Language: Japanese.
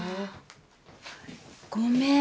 ごめん。